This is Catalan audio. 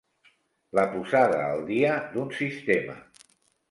La posada al dia d'un sistema.